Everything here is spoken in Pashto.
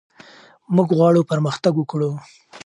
موږ غواړو پرمختګ وکړو.